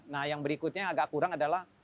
nah yang berikutnya yang agak kurang adalah